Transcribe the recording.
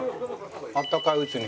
あったかいうちに。